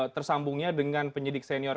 tersambungnya dengan penyidik senior